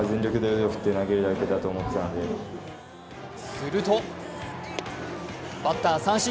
するとバッター三振。